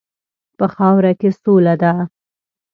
په خاوره کې سوله ده.